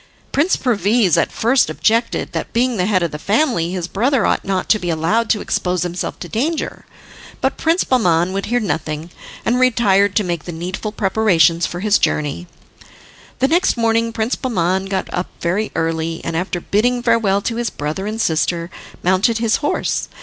Prince Perviz at first objected that, being the head of the family, his brother ought not to be allowed to expose himself to danger; but Prince Bahman would hear nothing, and retired to make the needful preparations for his journey. The next morning Prince Bahman got up very early, and after bidding farewell to his brother and sister, mounted his horse.